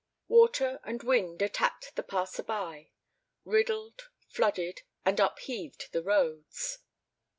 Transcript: Water and wind attacked the passers by; riddled, flooded, and upheaved the roads.